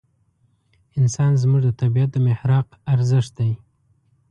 انسان زموږ د طبعیت د محراق ارزښت دی.